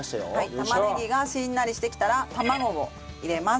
玉ねぎがしんなりしてきたら卵を入れます。